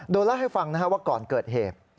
โดยเล่าให้ฟังว่าก่อนเกิดเหตุ